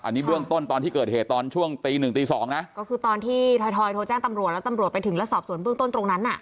อันนี้เบื้องต้นตอนที่เกิดเหตุตอนช่วงตีหนึ่งตีสองนะก็คือตอนที่ทอยทอยโทรแจ้งตำรวจแล้วตำรวจไปถึงแล้วสอบส่วนเบื้องต้นตรงนั้นอ่ะ